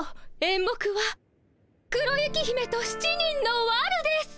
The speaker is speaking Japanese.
演目は「黒雪姫と７人のわる」です。